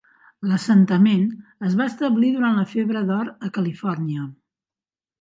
L'assentament es va establir durant la febre d'or a Califòrnia.